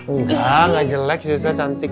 enggak gak jelek sih saya cantik